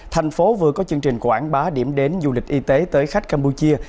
thành phố vừa có chương trình quảng bá điểm đến du lịch y tế tới khách campuchia